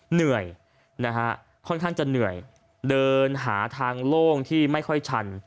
เหนื่อยนะฮะค่อนข้างจะเหนื่อยเดินหาทางโล่งที่ไม่ค่อยชัน